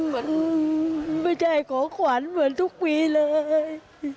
มันไม่ใช่ของขวัญเหมือนทุกปีเลย